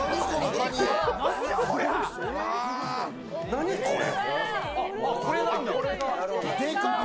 何これ？